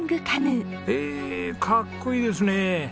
へえかっこいいですね。